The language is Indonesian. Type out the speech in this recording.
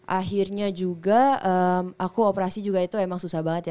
akhirnya juga aku operasi juga itu emang susah banget ya